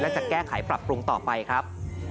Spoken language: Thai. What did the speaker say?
และจะแก้ไขปรับปรุงต่อไปครับ